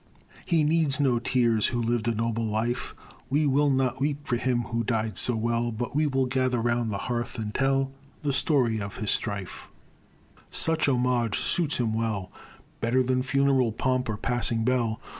He needs no tears, who lived a noble life; We will not weep for him who died so well, But we will gather round the hearth, and tell The story of his strife; Such homage suits him well, Better than funeral pomp or passing bell.